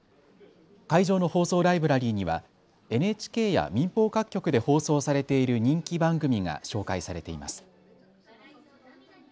会場の放送ライブラリーにはＮＨＫや民放各局で放送されている人気番組が紹介されています。